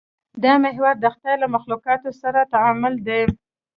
دا محور د خدای له مخلوقاتو سره تعامل دی.